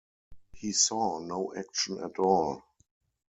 He saw no action at all.